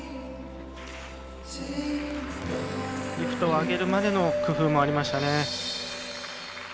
リフトを上げるまでの工夫もありましたね。